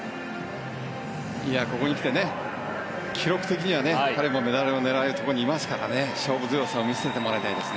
ここに来て記録的には彼もメダルを狙えるところにいますから勝負強さを見せてもらいたいです。